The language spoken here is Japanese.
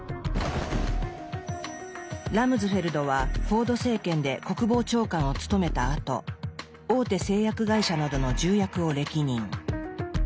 ラムズフェルドはフォード政権で国防長官を務めたあと大手製薬会社などの重役を歴任。